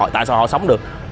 tại sao họ sống được